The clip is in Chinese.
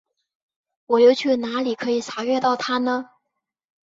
我又去哪里可以查阅到它呢？